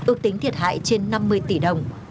ước tính thiệt hại trên năm mươi tỷ đồng